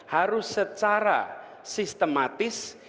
harus secara sistematis